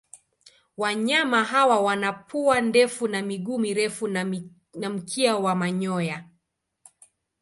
Wanyama hawa wana pua ndefu na miguu mirefu na mkia wa manyoya.